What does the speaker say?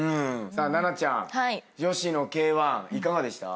さあ奈々ちゃん女子のＫ−１いかがでした？